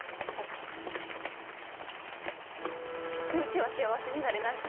どうせうちは幸せになれない。